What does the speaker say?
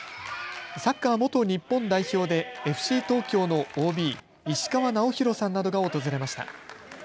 サッカー元日本代表でＦＣ東京のＯＢ石川直宏さんなどが訪れました。